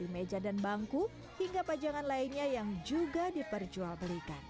meja dan bangku hingga pajangan lainnya yang juga diperjualbelikan